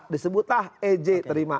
disebutlah ej terima